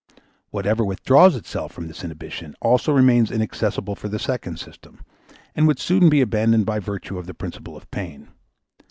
Whatever withdraws itself from this inhibition also remains inaccessible for the second system and would soon be abandoned by virtue of the principle of pain.